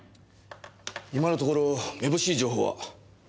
今のところ目ぼしい情報は。